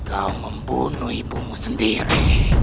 kau membunuh ibumu sendiri